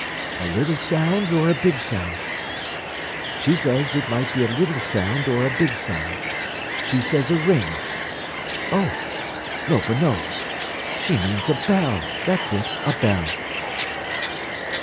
"A little sound or a big sound? She says it might be a little sound or a big sound. She says a ring—oh, Lopa knows! She means a bell! That's it, a bell."